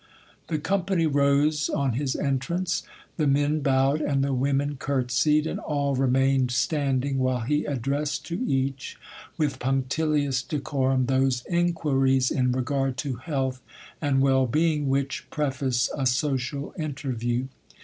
The company rose on his entrance; the men bowed and the women curtsied, and all remained standing while he addressed to each, with punctilious decorum, those inquiries in regard to health and well being which preface a social interview.